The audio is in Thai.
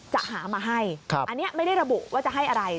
จะหามาให้อันนี้ไม่ได้ระบุว่าจะให้อะไร